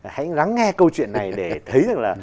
hãy ngắn nghe câu chuyện này để thấy rằng là